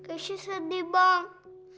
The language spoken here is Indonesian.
aku sedih bang